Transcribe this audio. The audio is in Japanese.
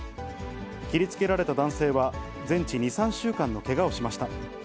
切りつけられた男性は、全治２、３週間のけがをしました。